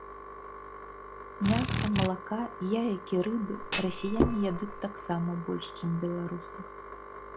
Мяса, малака, яек і рыбы расіяне ядуць таксама больш, чым беларусы.